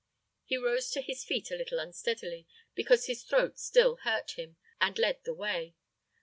He rose to his feet a little unsteadily, because his throat still hurt him, and led the way.